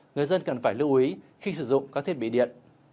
người dân cần phải lưu ý khi sử dụng các thiết bị điện